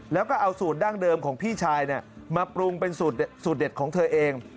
แล้วก็เอาสูตรดั้งเดิมของพี่ชายมาปรุงเป็นสูตรเด็ดของเธอเอง